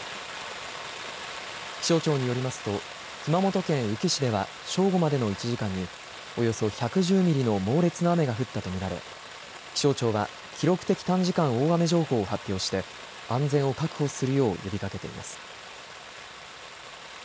気象庁によりますと熊本県宇城市では正午までの１時間におよそ１１０ミリの猛烈な雨が降ったと見られ気象庁は記録的短時間大雨情報を発表して安全を確保するよう呼びかけています。